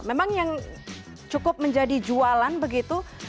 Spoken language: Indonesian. memang yang cukup menjadi jualan begitu